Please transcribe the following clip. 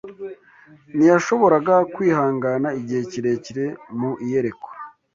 Ntiyashobora kwihangana igihe kirekire mu iyerekwa